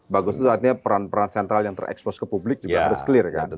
bagus itu artinya peran peran sentral yang terekspos ke publik juga harus clear kan